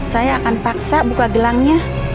saya akan paksa buka gelangnya